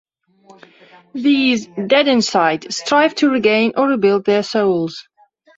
These "Dead Inside" strive to regain or rebuild their souls.